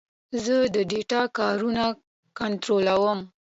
زه د ډیټا کارونه کنټرولوم.